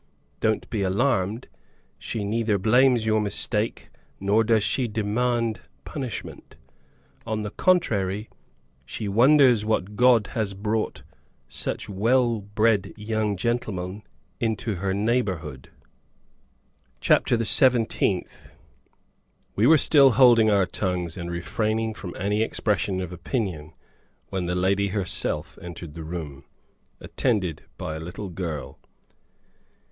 Don't be alarmed! She neither blames your mistake nor does she demand punishment; on the contrary, she wonders what god has brought such well bred young gentlemen into her neighborhood!" CHAPTER THE SEVENTEENTH. We were still holding our tongues and refraining from any expression of opinion, when the lady herself entered the room, attended by a little girl.